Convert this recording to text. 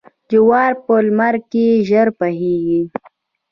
جوار په لمر کې ژر پخیږي.